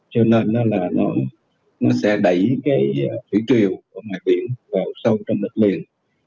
cho nên là nó sẽ đẩy cái thủy triều của mặt biển vào sâu trong đất liền